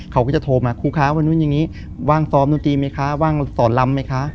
เขาก็จะโทรมาครูคะวันนู้นอย่างนี้ว่างซ้อมดนตรีไหมคะว่างสอนลำไหมคะ